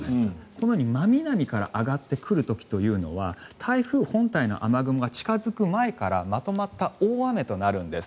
このように真南から上がってくる時というのは台風本体の雨雲が近付く前からまとまった大雨となるんです。